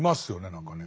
何かね。